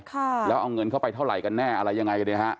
ค่ะแล้วเอาเงินเข้าไปเท่าไหร่กันแน่อะไรยังไงกันเนี่ยฮะ